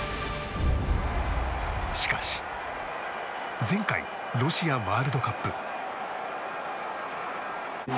しかし、前回ロシアワールドカップ。